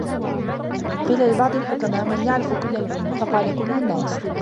قِيلَ لِبَعْضِ الْحُكَمَاءِ مَنْ يَعْرِفُ كُلَّ الْعُلُومِ ؟ فَقَالَ كُلُّ النَّاسِ